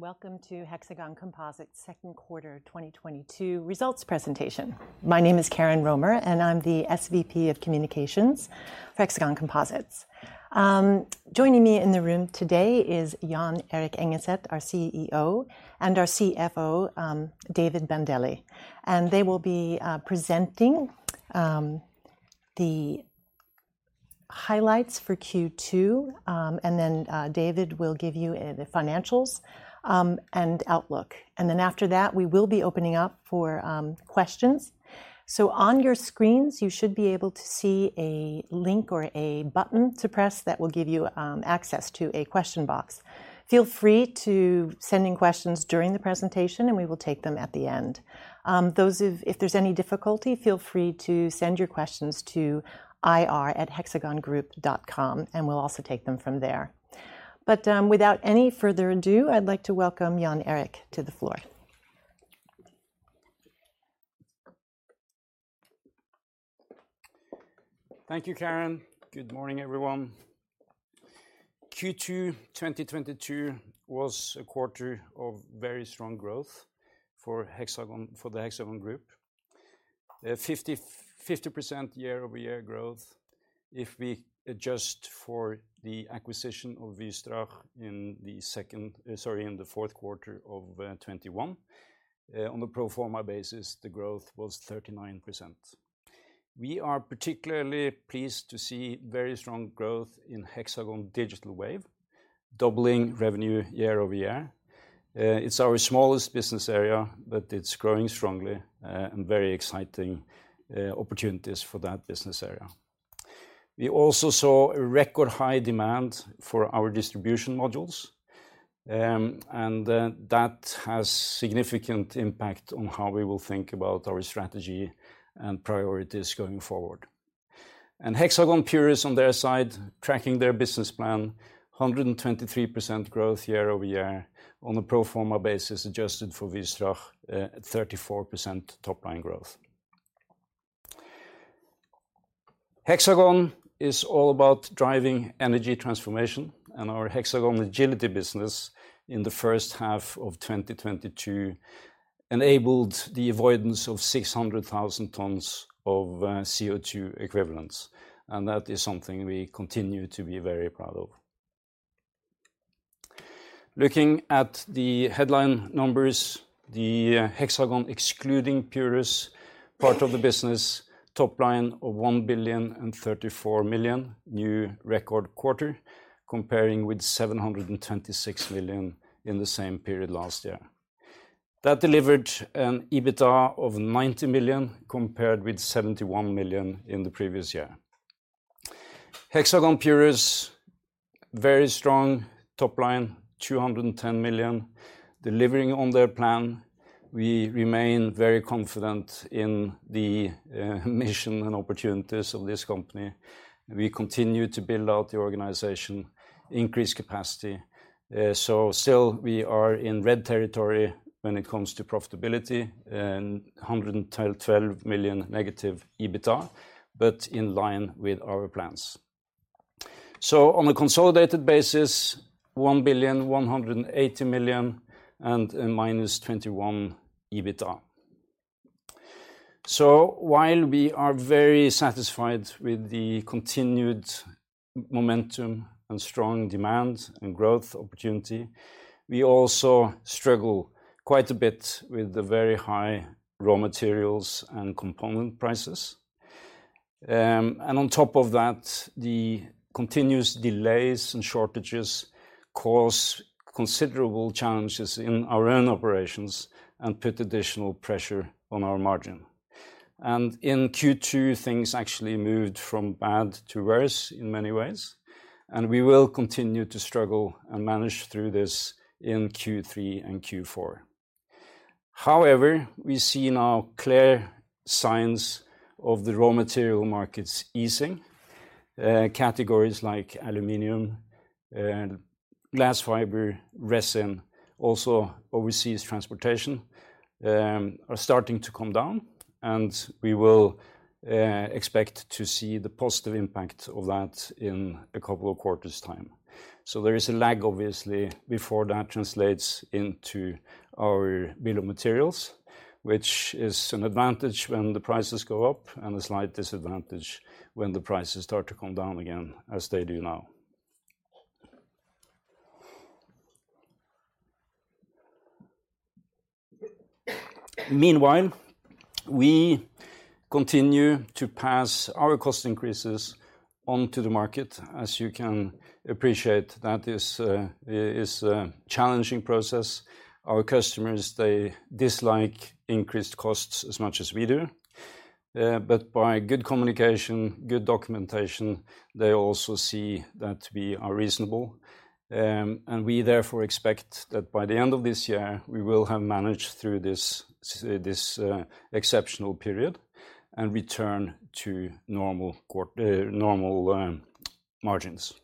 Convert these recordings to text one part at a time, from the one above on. Welcome to Hexagon Composites second quarter 2022 results presentation. My name is Karen Romer, and I'm the SVP of Communications for Hexagon Composites. Joining me in the room today is Jon Erik Engeset, our CEO, and our CFO, David Bandele. They will be presenting the highlights for Q2, and then David will give you the financials and outlook. After that, we will be opening up for questions. On your screens, you should be able to see a link or a button to press that will give you access to a question box. Feel free to send in questions during the presentation, and we will take them at the end. If there's any difficulty, feel free to send your questions to ir@hexagongroup.com, and we'll also take them from there. WIthout any further ado, I'd like to welcome Jon Erik to the floor. Thank you, Karen. Good morning, everyone. Q2 2022 was a quarter of very strong growth for Hexagon for the Hexagon Group. 50% year-over-year growth if we adjust for the acquisition of Wystrach in the fourth quarter of 2021. On a pro forma basis, the growth was 39%. We are particularly pleased to see very strong growth in Hexagon Digital Wave, doubling revenue year-over-year. It's our smallest business area, but it's growing strongly and very exciting opportunities for that business area. We also saw a record high demand for our distribution modules, and that has significant impact on how we will think about our strategy and priorities going forward. Hexagon Purus on their side, tracking their business plan, 123% growth year-over-year on a pro forma basis adjusted for Wystrach, at 34% top line growth. Hexagon is all about driving energy transformation and our Hexagon Agility business in the first half of 2022 enabled the avoidance of 600,000 tons of CO2 equivalents, and that is something we continue to be very proud of. Looking at the headline numbers, the Hexagon excluding Purus part of the business top line of 1,034 million, new record quarter comparing with 726 million in the same period last year. That delivered an EBITDA of 90 million compared with 71 million in the previous year. Hexagon Purus, very strong top line, 210 million, delivering on their plan. We remain very confident in the mission and opportunities of this company. We continue to build out the organization, increase capacity. Still we are in red territory when it comes to profitability and 112 million negative EBITDA, but in line with our plans. On a consolidated basis, 1,180 million and a -21 million EBITDA. While we are very satisfied with the continued momentum and strong demand and growth opportunity, we also struggle quite a bit with the very high raw materials and component prices. On top of that, the continuous delays and shortages cause considerable challenges in our own operations and put additional pressure on our margin. In Q2, things actually moved from bad to worse in many ways, and we will continue to struggle and manage through this in Q3 and Q4. However, we see now clear signs of the raw material markets easing. Categories like aluminum, glass fiber, resin, also overseas transportation, are starting to come down and we will expect to see the positive impact of that in a couple of quarters time. There is a lag obviously before that translates into our bill of materials, which is an advantage when the prices go up and a slight disadvantage when the prices start to come down again as they do now. Meanwhile, we continue to pass our cost increases on to the market. As you can appreciate, that is a challenging process. Our customers, they dislike increased costs as much as we do. By good communication, good documentation, they also see that we are reasonable, and we therefore expect that by the end of this year, we will have managed through this, exceptional period and return to normal margins.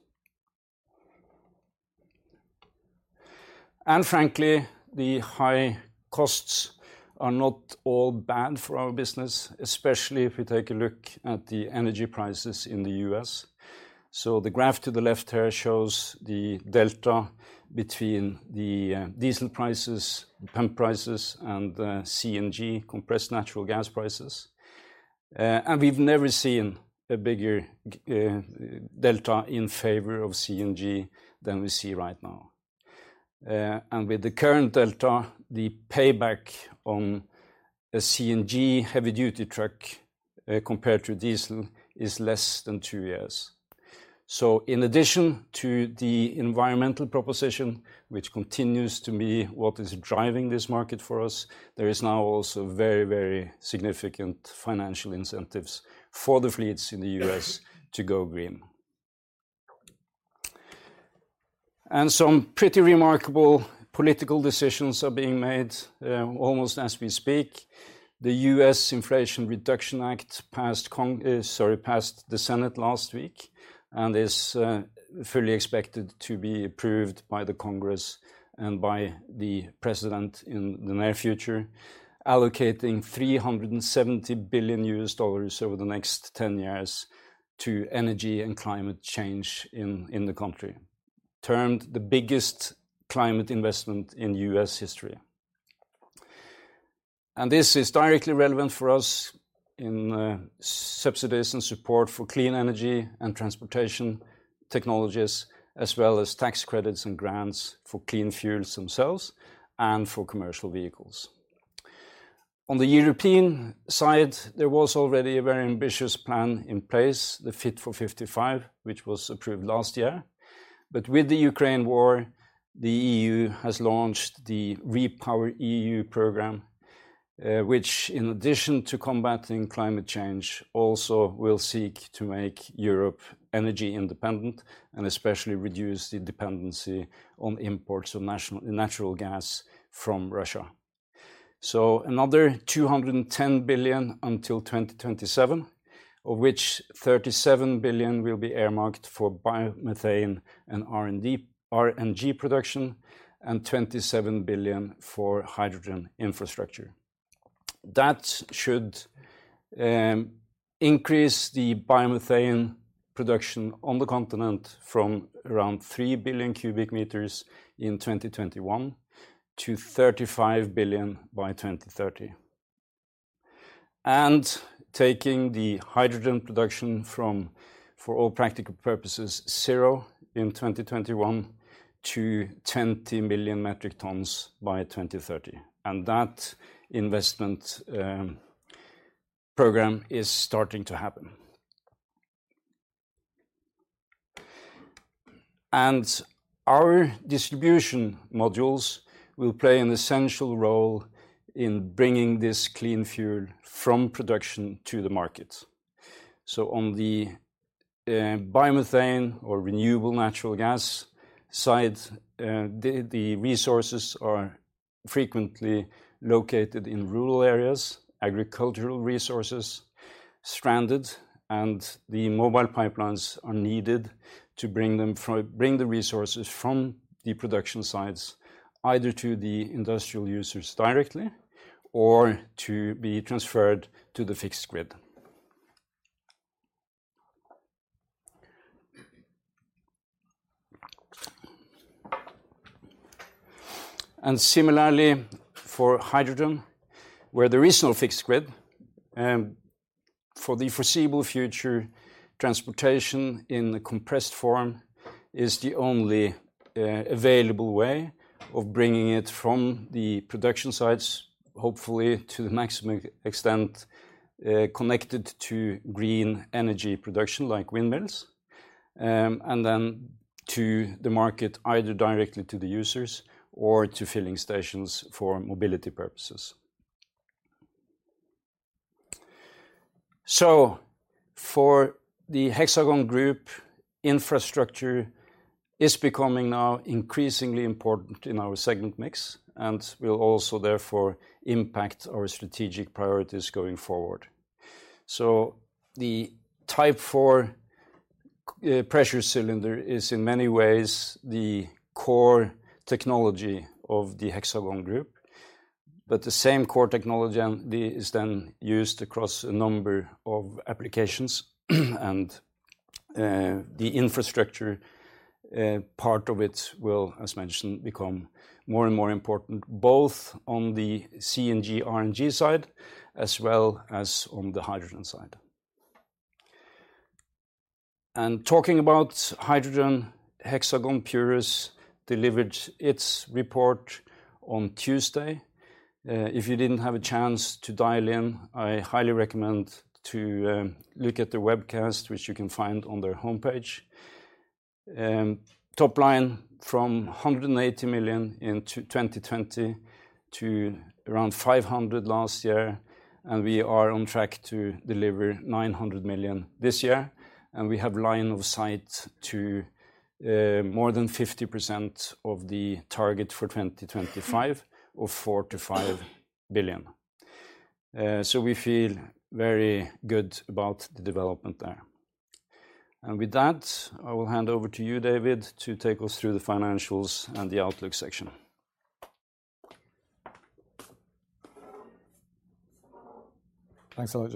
Frankly, the high costs are not all bad for our business, especially if we take a look at the energy prices in the U.S. The graph to the left here shows the delta between the diesel prices, pump prices, and the CNG, compressed natural gas prices. We've never seen a bigger delta in favor of CNG than we see right now. With the current delta, the payback on a CNG heavy duty truck, compared to diesel is less than two years. In addition to the environmental proposition, which continues to be what is driving this market for us, there is now also very, very significant financial incentives for the fleets in the U.S. to go green. Some pretty remarkable political decisions are being made, almost as we speak. The U.S. Inflation Reduction Act passed the Senate last week and is fully expected to be approved by the Congress and by the President in the near future, allocating $370 billion over the next 10 years to energy and climate change in the country. Termed the biggest climate investment in U.S. history. This is directly relevant for us in subsidies and support for clean energy and transportation technologies, as well as tax credits and grants for clean fuels themselves and for commercial vehicles. On the European side, there was already a very ambitious plan in place, the Fit for 55, which was approved last year. With the Ukraine War, the EU has launched the REPowerEU program, which in addition to combating climate change, also will seek to make Europe energy independent and especially reduce the dependency on imports of natural gas from Russia. Another 210 billion until 2027, of which 37 billion will be earmarked for biomethane and RNG production, and 27 billion for hydrogen infrastructure. That should increase the biomethane production on the continent from around 3 billion cubic meters in 2021 to 35 billion by 2030. Taking the hydrogen production from, for all practical purposes, zero in 2021 to 20 million metric tons by 2030. That investment program is starting to happen. Our distribution modules will play an essential role in bringing this clean fuel from production to the market. On the biomethane or renewable natural gas side, the resources are frequently located in rural areas, agricultural resources, stranded, and the Mobile Pipelines are needed to bring the resources from the production sites, either to the industrial users directly or to be transferred to the fixed grid. Similarly for hydrogen, where there is no fixed grid for the foreseeable future, transportation in the compressed form is the only available way of bringing it from the production sites, hopefully to the maximum extent connected to green energy production like windmills, and then to the market, either directly to the users or to filling stations for mobility purposes. For the Hexagon Group, infrastructure is becoming now increasingly important in our segment mix and will also therefore impact our strategic priorities going forward. The Type 4 pressure cylinder is in many ways the core technology of the Hexagon Group, but the same core technology is then used across a number of applications, and the infrastructure part of it will, as mentioned, become more and more important, both on the CNG, RNG side, as well as on the hydrogen side. Talking about hydrogen, Hexagon Purus delivered its report on Tuesday. If you didn't have a chance to dial in, I highly recommend to look at the webcast, which you can find on their homepage. Top line from 180 million in 2020 to around 500 million last year, and we are on track to deliver 900 million this year, and we have line of sight to more than 50% of the target for 2025 of 4 billion-5 billion. We feel very good about the development there. With that, I will hand over to you, David, to take us through the financials and the outlook section. Thanks a lot,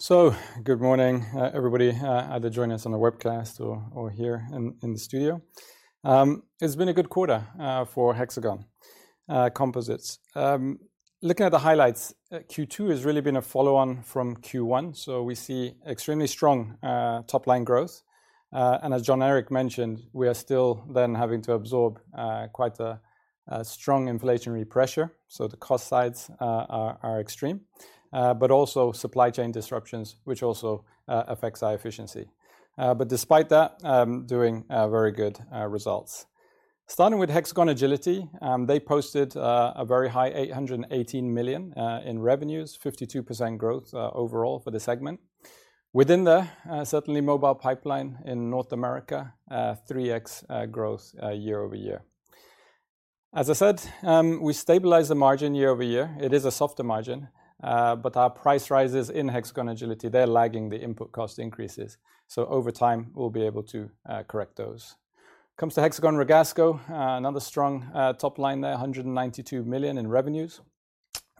Jon Erik. Good morning, everybody, either joining us on the webcast or here in the studio. It's been a good quarter for Hexagon Composites. Looking at the highlights, Q2 has really been a follow-on from Q1, so we see extremely strong top line growth. As Jon Erik mentioned, we are still then having to absorb quite a strong inflationary pressure, so the cost sides are extreme. But also supply chain disruptions, which also affects our efficiency. But despite that, doing very good results. Starting with Hexagon Agility, they posted a very high 818 million in revenues, 52% growth overall for the segment. Within there, certainly Mobile Pipeline in North America, 3x growth year-over-year. As I said, we stabilized the margin year-over-year. It is a softer margin, but our price rises in Hexagon Agility, they're lagging the input cost increases, so over time, we'll be able to correct those. Comes to Hexagon Ragasco, another strong top line there, 192 million in revenues.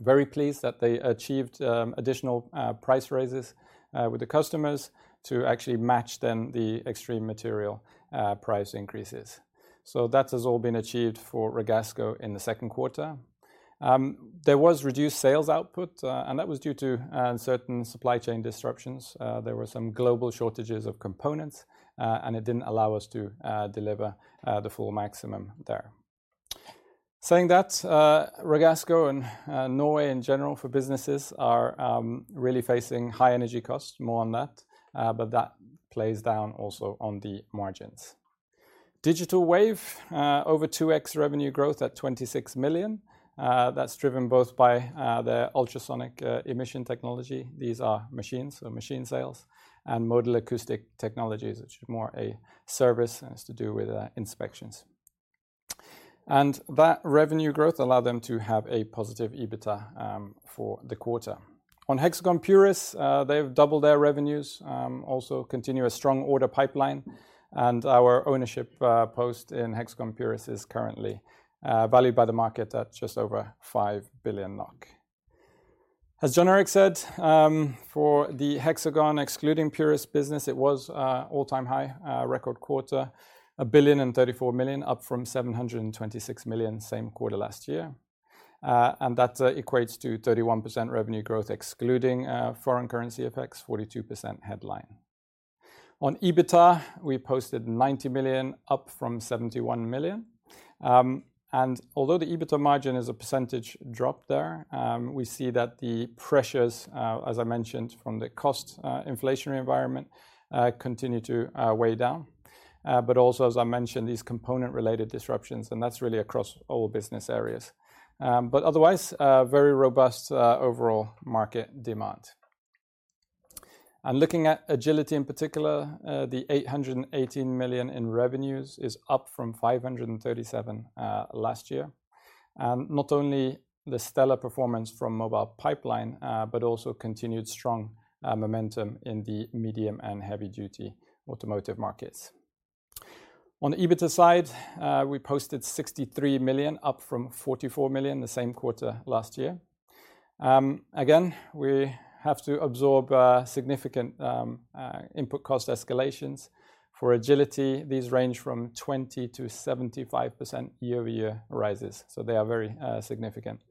Very pleased that they achieved additional price raises with the customers to actually match then the extreme material price increases. So that has all been achieved for Ragasco in the second quarter. There was reduced sales output, and that was due to certain supply chain disruptions. There were some global shortages of components, and it didn't allow us to deliver the full maximum there. Saying that, Ragasco and Norway in general for businesses are really facing high energy costs, more on that, but that plays down also on the margins. Digital Wave over 2x revenue growth at 26 million. That's driven both by their ultrasonic emission technology. These are machines, so machine sales and modal acoustic technologies, which is more a service, and it's to do with inspections. That revenue growth allowed them to have a positive EBITDA for the quarter. On Hexagon Purus, they've doubled their revenues, also continue a strong order pipeline, and our ownership position in Hexagon Purus is currently valued by the market at just over 5 billion NOK. As Jon Erik said, for the Hexagon excluding Purus business, it was all-time high record quarter, 1,034 million, up from 726 million same quarter last year. That equates to 31% revenue growth excluding foreign currency effects, 42% headline. On EBITDA, we posted 90 million, up from 71 million. Although the EBITDA margin is a percentage drop there, we see that the pressures as I mentioned from the cost inflationary environment continue to weigh down. But also, as I mentioned, these component-related disruptions, and that's really across all business areas. Otherwise, a very robust overall market demand. Looking at Agility in particular, the 818 million in revenues is up from 537 million last year. Not only the stellar performance from Mobile Pipeline, but also continued strong momentum in the medium and heavy duty automotive markets. On the EBITDA side, we posted 63 million, up from 44 million the same quarter last year. Again, we have to absorb significant input cost escalations. For Hexagon Agility, these range from 20%-75% year-over-year rises, so they are very significant.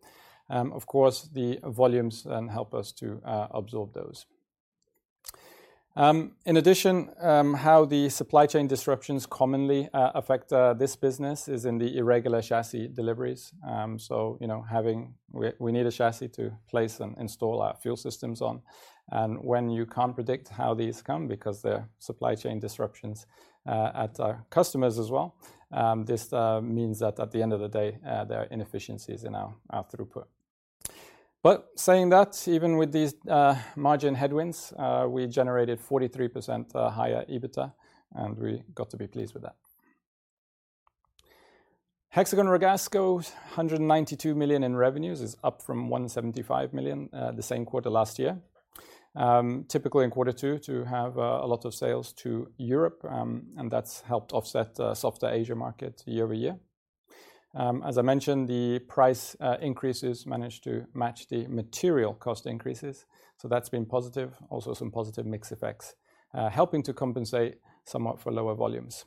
Of course, the volumes then help us to absorb those. In addition, how the supply chain disruptions commonly affect this business is in the irregular chassis deliveries. You know, we need a chassis to place and install our fuel systems on. When you can't predict how these come because there are supply chain disruptions at our customers as well, this means that at the end of the day, there are inefficiencies in our throughput. Saying that, even with these margin headwinds, we generated 43% higher EBITDA, and we got to be pleased with that. Hexagon Ragasco's 192 million in revenues is up from 175 million, the same quarter last year. Typically in quarter two to have a lot of sales to Europe, and that's helped offset the softer Asia market year-over-year. As I mentioned, the price increases managed to match the material cost increases, so that's been positive. Also some positive mix effects, helping to compensate somewhat for lower volumes.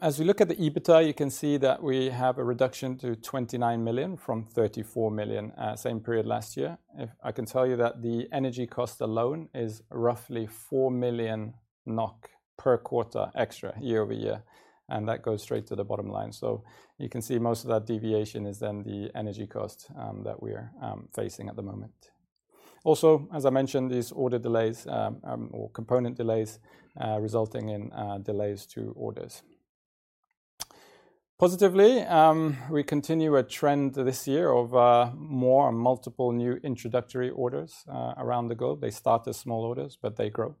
As we look at the EBITDA, you can see that we have a reduction to 29 million from 34 million, same period last year. I can tell you that the energy cost alone is roughly 4 million NOK per quarter extra year-over-year, and that goes straight to the bottom line. You can see most of that deviation is then the energy cost that we are facing at the moment. Also, as I mentioned, these order delays or component delays resulting in delays to orders. Positively, we continue a trend this year of more multiple new introductory orders around the globe. They start as small orders, but they grow.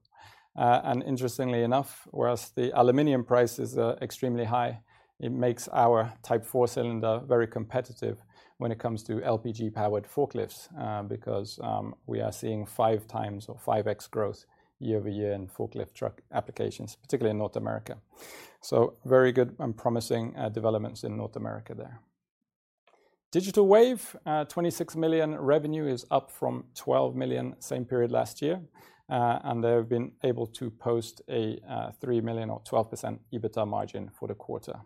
Interestingly enough, whereas the aluminum prices are extremely high, it makes our Type 4 cylinder very competitive when it comes to LPG-powered forklifts, because we are seeing 5 times or 5x growth year-over-year in forklift truck applications, particularly in North America. Very good and promising developments in North America there. Digital Wave, 26 million revenue is up from 12 million same period last year. They have been able to post a 3 million or 12% EBITDA margin for the quarter.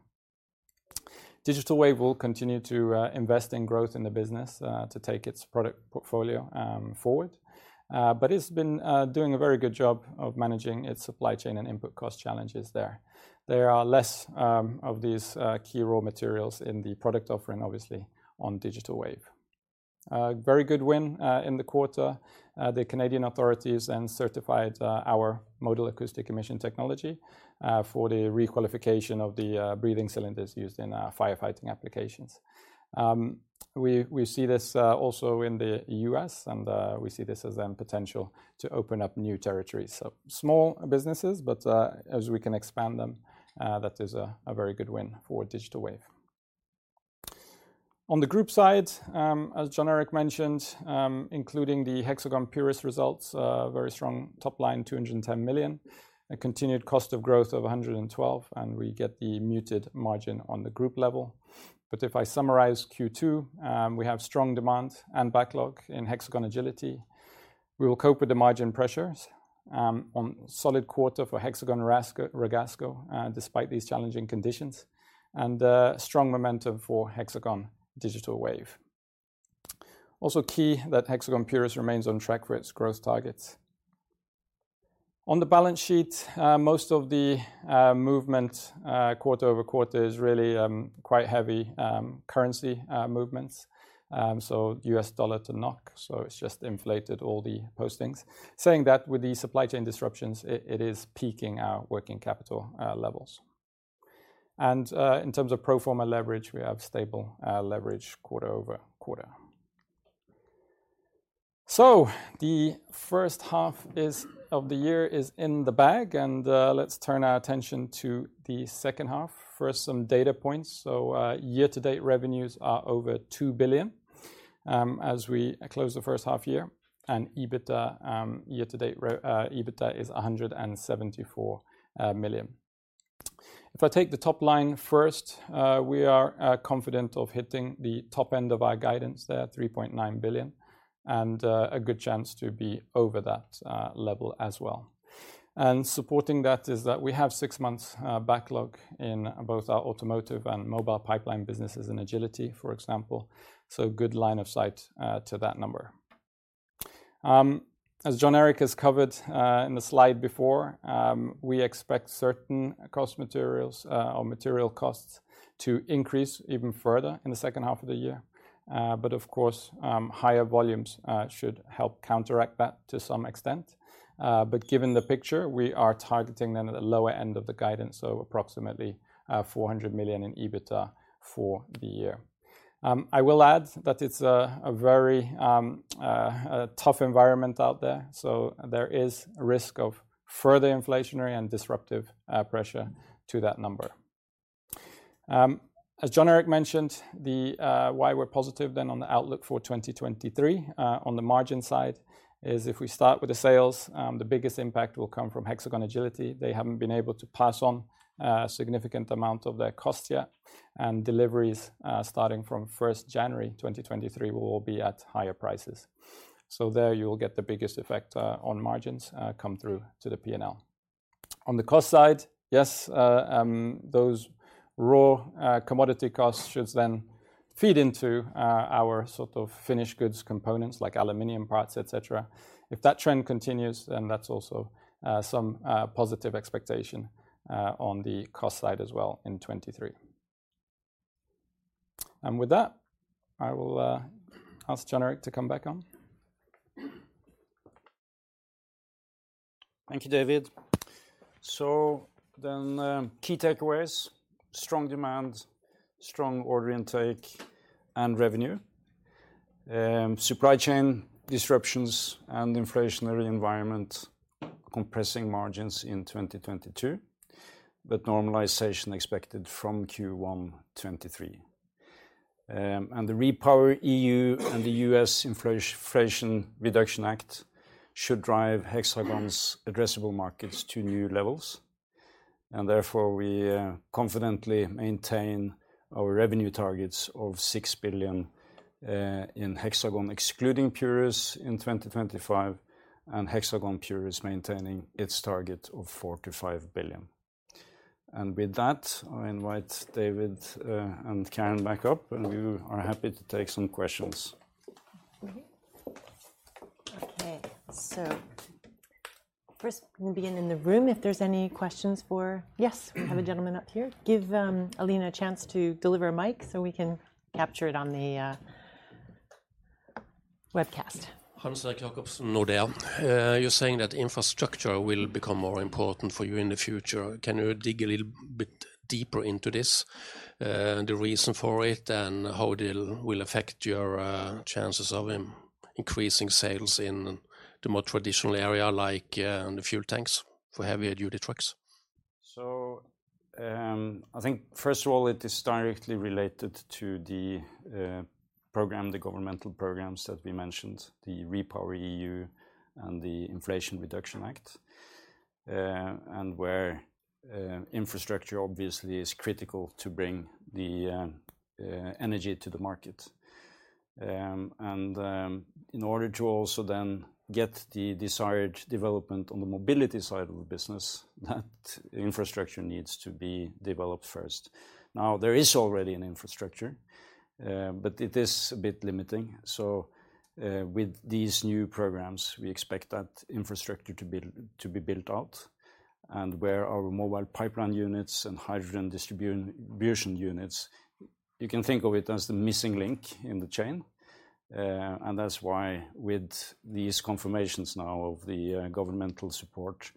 Digital Wave will continue to invest in growth in the business to take its product portfolio forward. It's been doing a very good job of managing its supply chain and input cost challenges there. There are less of these key raw materials in the product offering, obviously, on Digital Wave. Very good win in the quarter. The Canadian authorities then certified our Modal Acoustic Emission technology for the requalification of the breathing cylinders used in firefighting applications. We see this also in the U.S., and we see this as a potential to open up new territories. Small businesses, but as we can expand them, that is a very good win for Digital Wave. On the group side, as Jon Erik mentioned, including the Hexagon Purus results, a very strong top line, 210 million, a continued cost of growth of 112 million, and we get the muted margin on the group level. If I summarize Q2, we have strong demand and backlog in Hexagon Agility. We will cope with the margin pressures on solid quarter for Hexagon Ragasco, despite these challenging conditions, and strong momentum for Hexagon Digital Wave. Also key that Hexagon Purus remains on track for its growth targets. On the balance sheet, most of the movement quarter-over-quarter is really quite heavy currency movements. U.S. dollar to NOK, so it's just inflated all the postings. Saying that, with the supply chain disruptions, it is peaking our working capital levels. In terms of pro forma leverage, we have stable leverage quarter-over-quarter. The first half of the year is in the bag, let's turn our attention to the second half. First, some data points. Year-to-date revenues are over 2 billion as we close the first half year, and EBITDA year-to-date is 174 million. If I take the top line first, we are confident of hitting the top end of our guidance there, 3.9 billion, and a good chance to be over that level as well. Supporting that is that we have 6 months backlog in both our automotive and Mobile Pipeline businesses in Agility, for example. Good line of sight to that number. As Jon Erik has covered in the slide before, we expect certain material costs to increase even further in the second half of the year. Of course, higher volumes should help counteract that to some extent. Given the picture, we are targeting them at the lower end of the guidance, so approximately 400 million in EBITDA for the year. I will add that it's a very tough environment out there, so there is risk of further inflationary and disruptive pressure to that number. As Jon Erik mentioned, the why we're positive then on the outlook for 2023, on the margin side is if we start with the sales, the biggest impact will come from Hexagon Agility. They haven't been able to pass on a significant amount of their cost yet, and deliveries starting from first January 2023 will be at higher prices. There you will get the biggest effect on margins come through to the P&L. On the cost side, yes, those raw commodity costs should then feed into our sort of finished goods components like aluminum parts, et cetera. If that trend continues, then that's also some positive expectation on the cost side as well in 2023. With that, I will ask Jon Erik to come back on. Thank you, David. Key takeaways, strong demand, strong order intake, and revenue. Supply chain disruptions and inflationary environment compressing margins in 2022, but normalization expected from Q1 2023. The REPowerEU and the U.S. Inflation Reduction Act should drive Hexagon's addressable markets to new levels. We confidently maintain our revenue targets of 6 billion in Hexagon, excluding Purus, in 2025, and Hexagon Purus maintaining its target of 4 billion-5 billion. I invite David and Karen back up, and we are happy to take some questions. Okay. First we'll begin in the room if there's any questions for. Yes, we have a gentleman up here. Give Alina a chance to deliver a mic so we can capture it on the webcast Hans Erik Jacobsen, Nordea. You're saying that infrastructure will become more important for you in the future. Can you dig a little bit deeper into this, the reason for it, and how it will affect your chances of increasing sales in the more traditional area like the fuel tanks for heavier duty trucks? I think first of all it is directly related to the program, the governmental programs that we mentioned, the REPowerEU and the Inflation Reduction Act. Where infrastructure obviously is critical to bring the energy to the market. In order to also then get the desired development on the mobility side of the business, that infrastructure needs to be developed first. Now, there is already an infrastructure, but it is a bit limiting. With these new programs, we expect that infrastructure to build, to be built out and where our Mobile Pipeline units and hydrogen distribution units, you can think of it as the missing link in the chain. That's why with these confirmations now of the governmental support,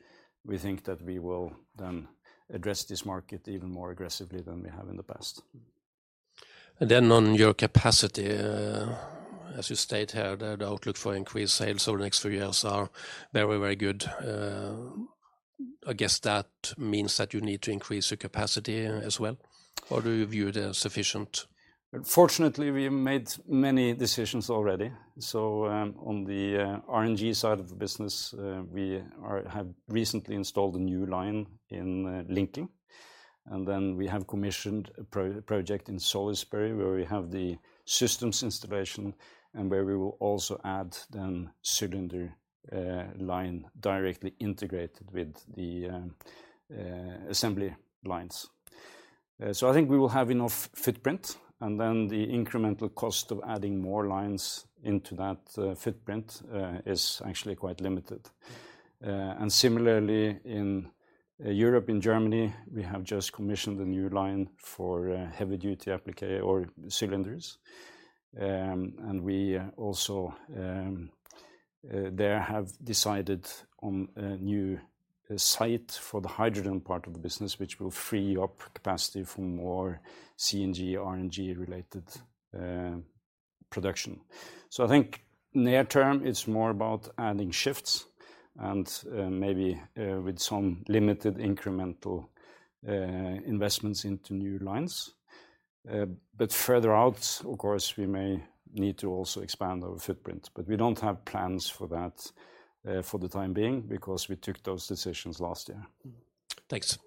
we think that we will then address this market even more aggressively than we have in the past. On your capacity, as you state here that the outlook for increased sales over the next few years are very, very good. I guess that means that you need to increase your capacity as well, or do you view it as sufficient? Fortunately, we have made many decisions already. On the RNG side of the business, we have recently installed a new line in Lincoln, and then we have commissioned a project in Salisbury where we have the systems installation and where we will also add then cylinder line directly integrated with the assembly lines. I think we will have enough footprint, and then the incremental cost of adding more lines into that footprint is actually quite limited. Similarly in Europe, in Germany, we have just commissioned a new line for heavy-duty or cylinders. We also there have decided on a new site for the hydrogen part of the business, which will free up capacity for more CNG, RNG related production. I think near term it's more about adding shifts and, maybe, with some limited incremental, investments into new lines. Further out, of course, we may need to also expand our footprint, but we don't have plans for that, for the time being because we took those decisions last year. Thanks.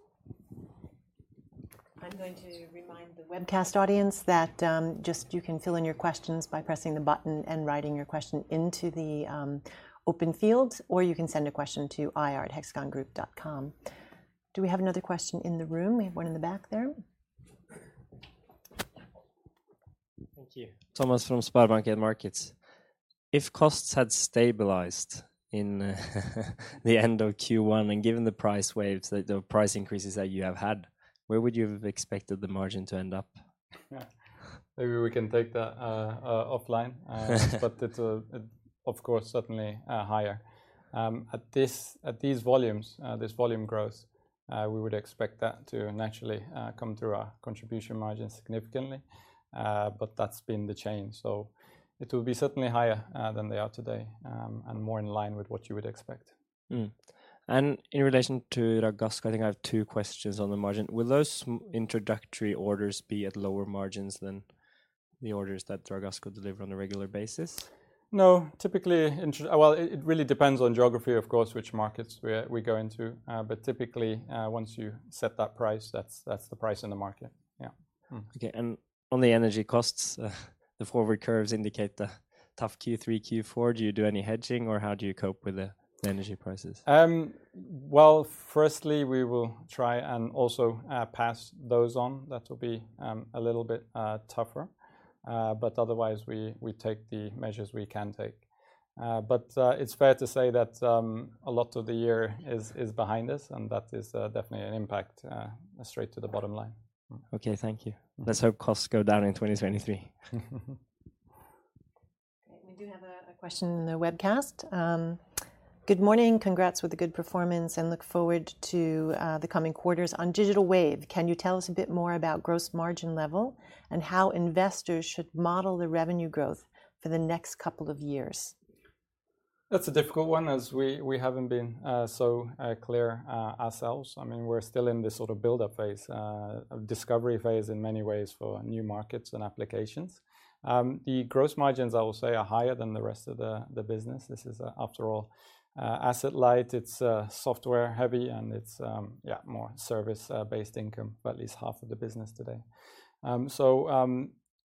I'm going to remind the webcast audience that, just you can fill in your questions by pressing the button and writing your question into the, open field, or you can send a question to ir@hexagongroup.com. Do we have another question in the room? We have one in the back there. Thank you. Thomas from SpareBank 1 Markets. If costs had stabilized in the end of Q1 and given the price waves, the price increases that you have had, where would you have expected the margin to end up? Maybe we can take that offline. It's of course certainly higher. At these volumes, this volume growth, we would expect that to naturally come through our contribution margin significantly. That's been the change, so it will be certainly higher than they are today, and more in line with what you would expect. In relation to Ragasco, I think I have two questions on the margin. Will those introductory orders be at lower margins than the orders that Ragasco could deliver on a regular basis? No. Typically, well, it really depends on geography, of course, which markets we go into. But typically, once you set that price, that's the price in the market. Yeah. Okay. On the energy costs, the forward curves indicate a tough Q3, Q4. Do you do any hedging or how do you cope with the energy prices? Well, firstly, we will try and also pass those on. That will be a little bit tougher. Otherwise we take the measures we can take. It's fair to say that a lot of the year is behind us, and that is definitely an impact straight to the bottom line. Okay. Thank you. Let's hope costs go down in 2023. Great. We do have a question in the webcast. Good morning. Congrats with the good performance and look forward to the coming quarters. On Digital Wave, can you tell us a bit more about gross margin level and how investors should model the revenue growth for the next couple of years? That's a difficult one as we haven't been so clear ourselves. I mean, we're still in this sort of build-up phase, a discovery phase in many ways for new markets and applications. The gross margins I will say are higher than the rest of the business. This is, after all, asset light, it's software heavy, and it's, yeah, more service based income, but at least half of the business today.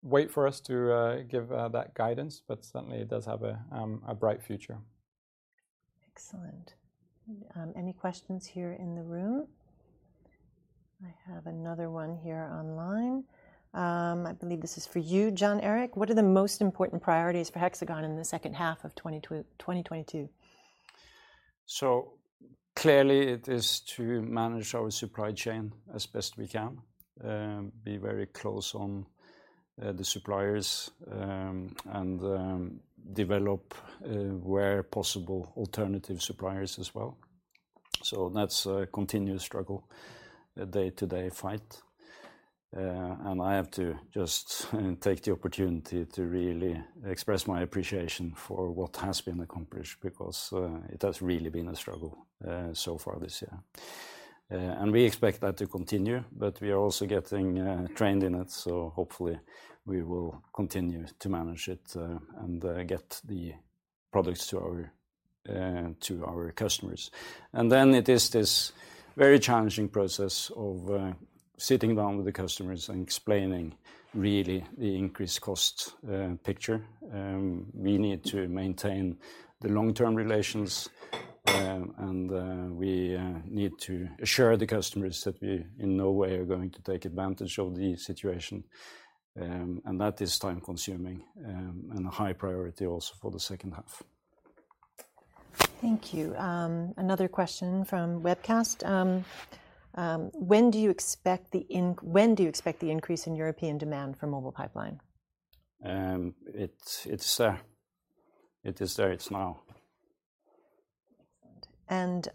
Wait for us to give that guidance, but certainly it does have a bright future. Excellent. Any questions here in the room? I have another one here online. I believe this is for you, Jon Erik. What are the most important priorities for Hexagon in the second half of 2022? Clearly it is to manage our supply chain as best we can, be very close on the suppliers, and develop where possible alternative suppliers as well. That's a continuous struggle, a day-to-day fight. I have to just take the opportunity to really express my appreciation for what has been accomplished because it has really been a struggle so far this year. We expect that to continue, but we are also getting trained in it, so hopefully we will continue to manage it and get the products to our customers. It is this very challenging process of sitting down with the customers and explaining really the increased cost picture. We need to maintain the long-term relations, and we need to assure the customers that we in no way are going to take advantage of the situation. That is time-consuming, and a high priority also for the second half. Thank you. Another question from webcast. When do you expect the increase in European demand for Mobile Pipeline? It's there. It's now. Excellent.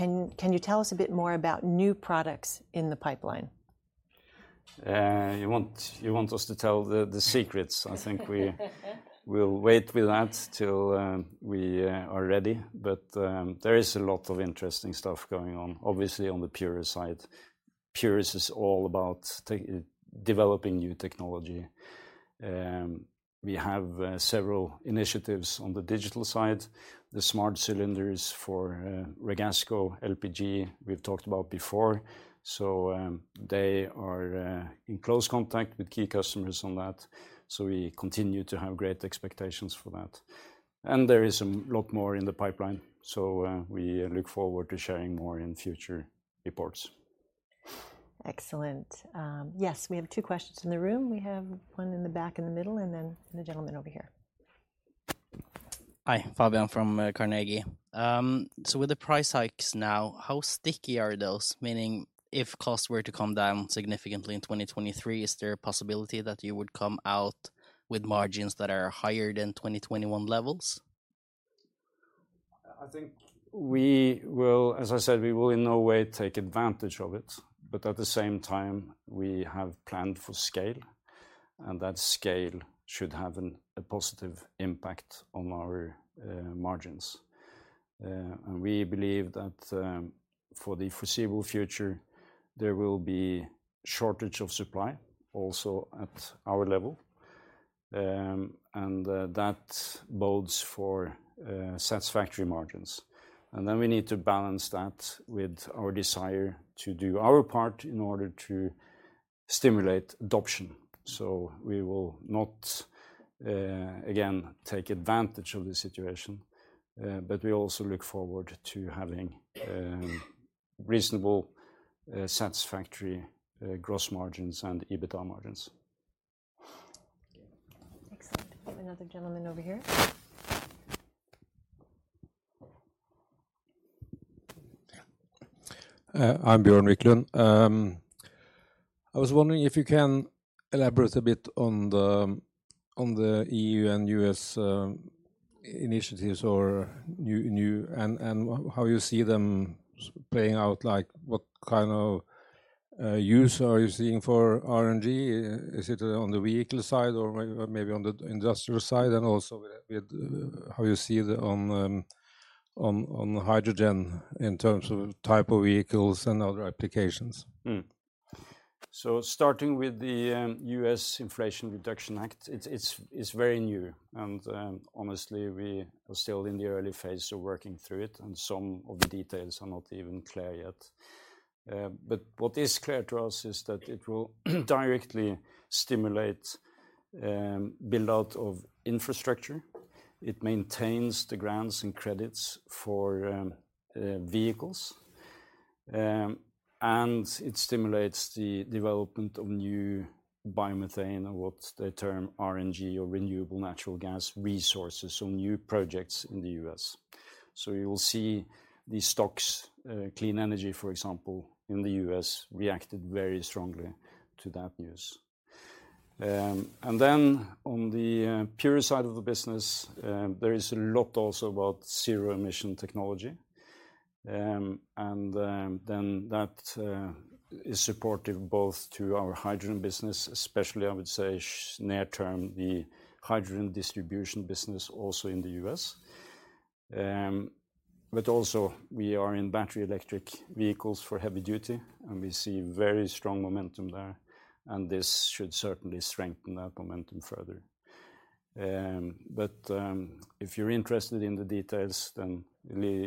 Can you tell us a bit more about new products in the pipeline? You want us to tell the secrets. I think we will wait with that till we are ready. There is a lot of interesting stuff going on, obviously on the Purus side. Purus is all about developing new technology. We have several initiatives on the digital side. The smart cylinders for Ragasco, LPG, we've talked about before, so they are in close contact with key customers on that. We continue to have great expectations for that. There is a lot more in the pipeline, we look forward to sharing more in future reports. Excellent. Yes, we have two questions in the room. We have one in the back in the middle and then the gentleman over here. Hi. Fabian from Carnegie. With the price hikes now, how sticky are those? Meaning if costs were to come down significantly in 2023, is there a possibility that you would come out with margins that are higher than 2021 levels? I think we will. As I said, we will in no way take advantage of it. At the same time, we have planned for scale, and that scale should have a positive impact on our margins. We believe that, for the foreseeable future, there will be shortage of supply also at our level. That bodes for satisfactory margins. Then we need to balance that with our desire to do our part in order to stimulate adoption. We will not again take advantage of the situation. We also look forward to having reasonable satisfactory gross margins and EBITDA margins. Excellent. We have another gentleman over here. I'm Bjørn Erik Riklin. I was wondering if you can elaborate a bit on the EU and U.S. initiatives or new and how you see them playing out. Like what kind of use are you seeing for RNG? Is it on the vehicle side or maybe on the industrial side? Also with how you see the hydrogen in terms of type of vehicles and other applications. Starting with the U.S. Inflation Reduction Act, it's very new, and honestly, we are still in the early phase of working through it, and some of the details are not even clear yet. What is clear to us is that it will directly stimulate build-out of infrastructure. It maintains the grants and credits for vehicles. It stimulates the development of new biomethane or what they term RNG or renewable natural gas resources, so new projects in the U.S. You will see these stocks, Clean Energy Fuels, for example, in the U.S. reacted very strongly to that news. Then on the Purus side of the business, there is a lot also about zero-emission technology. That is supportive both to our hydrogen business, especially, I would say near term, the hydrogen distribution business also in the U.S. Also we are in battery electric vehicles for heavy duty, and we see very strong momentum there, and this should certainly strengthen that momentum further. If you're interested in the details,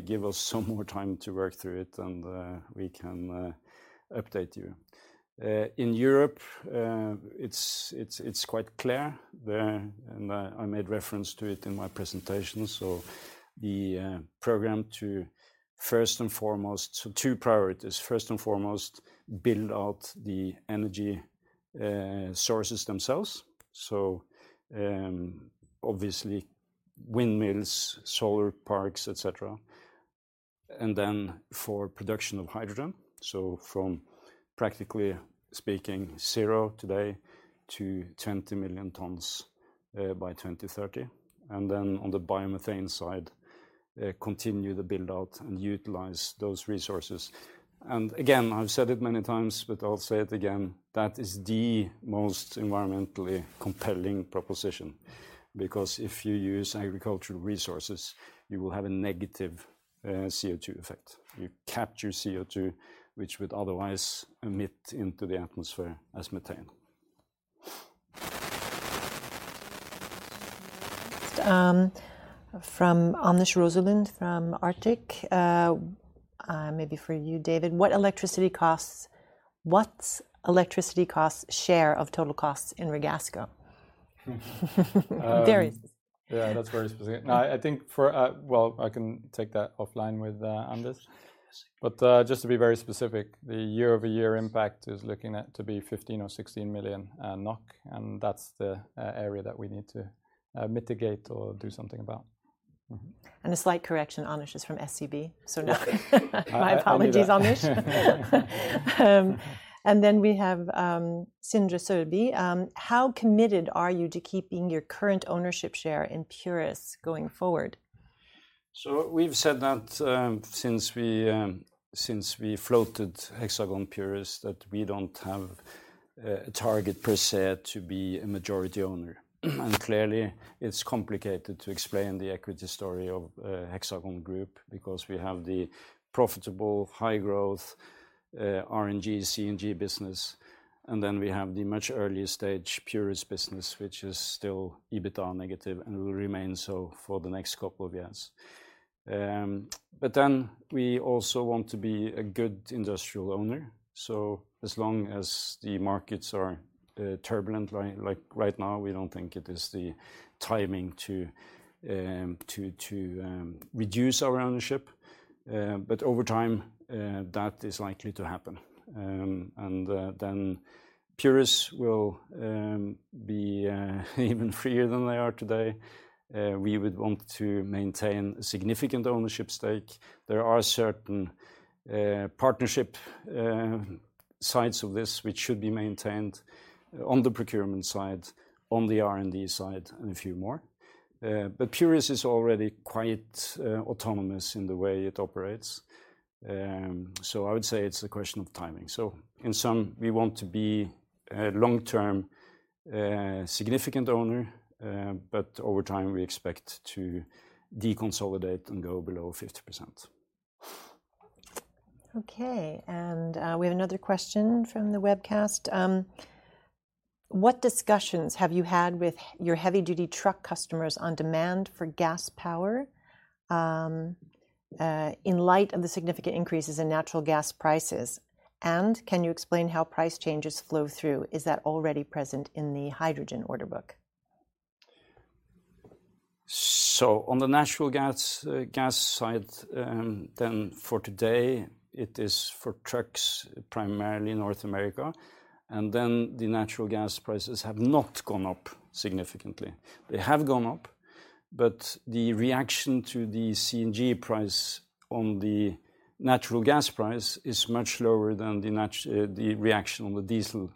give us some more time to work through it, and we can update you. In Europe, it's quite clear there, and I made reference to it in my presentation. The program to first and foremost, so two priorities. First and foremost, build out the energy sources themselves. Obviously windmills, solar parks, et cetera. Then for production of hydrogen, from practically speaking zero today to 20 million tons by 2030. On the biomethane side, continue to build out and utilize those resources. Again, I've said it many times, but I'll say it again, that is the most environmentally compelling proposition because if you use agricultural resources, you will have a negative CO2 effect. You capture CO2 which would otherwise emit into the atmosphere as methane. From Amesh Rosalind from Arctic. Maybe for you, David. What's electricity costs share of total costs in Ragasco? David. Yeah, that's very specific. No, I think I can take that offline with Amesh. Just to be very specific, the year-over-year impact is looking at to be 15 million or 16 million NOK, and that's the area that we need to mitigate or do something about. Mm-hmm. A slight correction, Amesh is from SEB, so no. Okay. I'll do that. My apologies, Amesh. We have Sindre Sørbye. How committed are you to keeping your current ownership share in Purus going forward? We've said that since we floated Hexagon Purus, that we don't have a target per se to be a majority owner. Clearly, it's complicated to explain the equity story of Hexagon Group because we have the profitable high growth RNG, CNG business, and then we have the much earlier stage Purus business which is still EBITDA negative and will remain so for the next couple of years. We also want to be a good industrial owner. As long as the markets are turbulent like right now, we don't think it is the timing to reduce our ownership. Over time, that is likely to happen. Then Purus will be even freer than they are today. We would want to maintain significant ownership stake. There are certain partnership sides of this which should be maintained on the procurement side, on the R&D side, and a few more. Purus is already quite autonomous in the way it operates, so I would say it's a question of timing. In sum, we want to be a long-term significant owner, but over time we expect to deconsolidate and go below 50%. Okay. We have another question from the webcast. What discussions have you had with your heavy-duty truck customers on demand for gas power, in light of the significant increases in natural gas prices? Can you explain how price changes flow through? Is that already present in the hydrogen order book? On the natural gas gas side, then for today it is for trucks primarily in North America, and then the natural gas prices have not gone up significantly. They have gone up, but the reaction to the CNG price on the natural gas price is much lower than the reaction on the diesel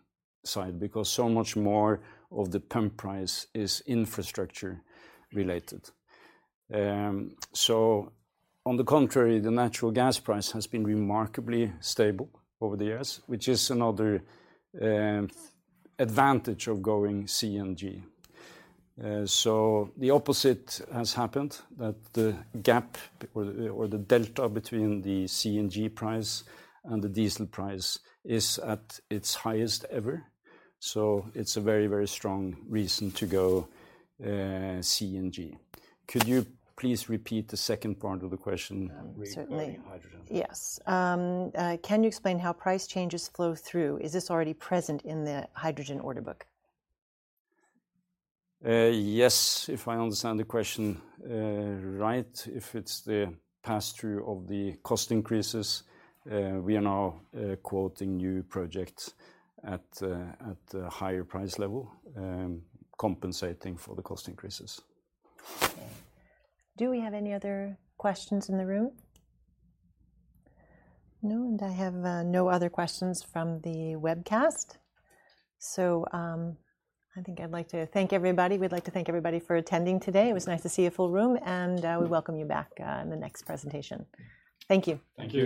side because so much more of the pump price is infrastructure related. On the contrary, the natural gas price has been remarkably stable over the years, which is another advantage of going CNG. The opposite has happened, that the delta between the CNG price and the diesel price is at its highest ever. It's a very, very strong reason to go CNG. Could you please repeat the second part of the question regarding hydrogen? Certainly, yes. Can you explain how price changes flow through? Is this already present in the hydrogen order book? Yes, if I understand the question right, if it's the pass-through of the cost increases, we are now quoting new projects at a higher price level, compensating for the cost increases. Do we have any other questions in the room? No, and I have no other questions from the webcast. I think I'd like to thank everybody. We'd like to thank everybody for attending today. It was nice to see a full room, and we welcome you back in the next presentation. Thank you. Thank you.